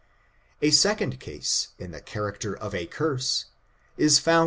A second case, in the character of a curse^ is found ' ^^^»«^k^